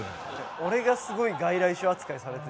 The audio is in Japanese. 俺がすごい外来種扱いされてて。